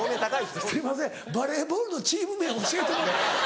すいませんバレーボールのチーム名を教えて。